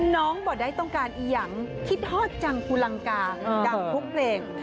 บ่ได้ต้องการอีกอย่างคิดฮอดจังภูลังกาดังทุกเพลง